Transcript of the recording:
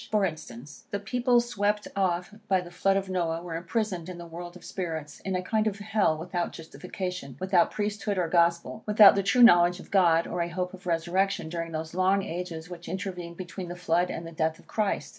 For instance, the people swept off by the flood of Noah, were imprisoned in the world of spirits, in a kind of hell; without justification, without Priesthood or Gospel, without the true knowledge of God, or a hope of resurrection, during those long ages which intervened between the flood and the death of Christ.